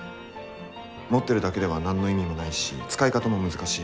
持ってるだけでは何の意味もないし使い方も難しい。